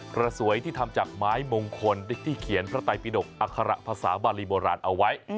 กระสวยที่ทำจากไม้มงคลที่เขียนพระไตปิดกอัคระภาษาบาลีโบราณเอาไว้